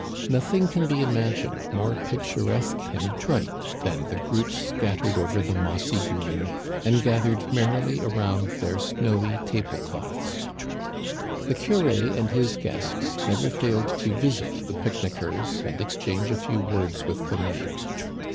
Nothing can be imagined more picturesque and bright than the groups scattered over the mossy green, and gathered merrily around their snowy tablecloths. The curé and his guests never failed to visit the picnick ers and exchange a few words with the men.